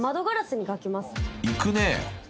［いくねぇ］